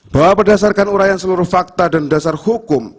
bahwa berdasarkan urayan seluruh fakta dan dasar hukum